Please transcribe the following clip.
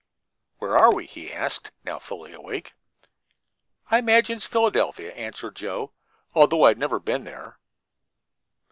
"Where are we?" he asked, now fully awake. "I imagine it's Philadelphia," answered Joe, "although I've never been there."